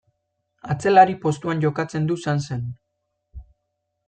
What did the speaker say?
Atzelari postuan jokatzen du Sansen.